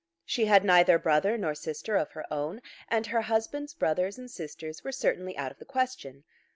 She had neither brother nor sister of her own, and her husband's brothers and sisters were certainly out of the question.